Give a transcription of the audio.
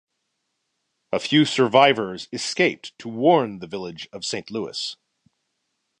A few survivors escaped to warn the village of Saint Louis.